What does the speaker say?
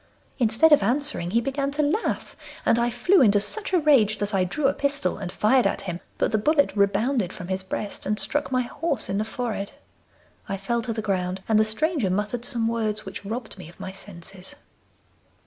Instead of answering he began to laugh, and I flew into such a rage that I drew a pistol and fired at him; but the bullet rebounded from his breast and struck my horse in the forehead. I fell to the ground, and the stranger muttered some words, which robbed me of my senses.